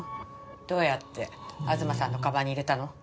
どうやって東さんの鞄に入れたの？